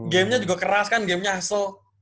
gamenya juga keras kan gamenya assel